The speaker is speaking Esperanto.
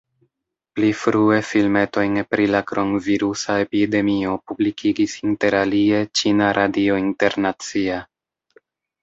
Pli frue filmetojn pri la kronvirusa epidemio publikigis interalie Ĉina Radio Internacia.